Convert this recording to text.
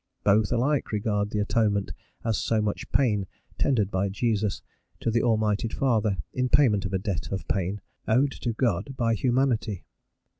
Both alike regard the Atonement as so much pain tendered by Jesus to the Almighty Father in payment of a debt of pain owed to God by humanity.